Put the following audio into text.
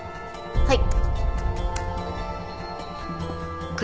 はい。